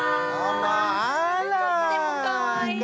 とってもかわいい。